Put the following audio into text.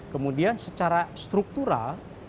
kemudian secara struktural